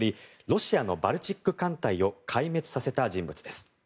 ロシアのバルチック艦隊を壊滅させた人物です。